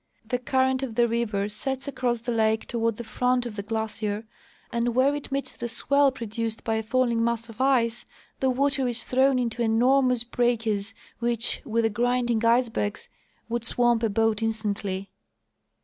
The current of the river sets across the lake toward the front of the glacier, and where it meets the swell produced by a falling mass of ice the Avater is throAvn into enormous breakers which, with the grinding icebergs, would swamp a boat instantly.